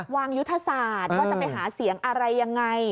วางยุทธศาสตร์ว่าจะไปหาเสียงอะไรยังไง